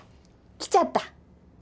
来ちゃった。